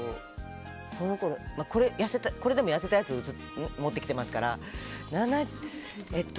これでも痩せたやつを持ってきていますから。